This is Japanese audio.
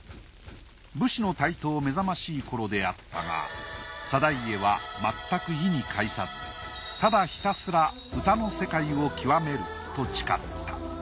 武士の台頭めざましい頃であったが定家はまったく意に介さずただひたすら歌の世界を極めると誓った。